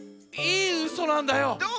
いいウソなんだよ！